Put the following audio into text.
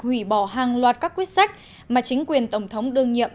hủy bỏ hàng loạt các quyết sách mà chính quyền tổng thống đương nhiệm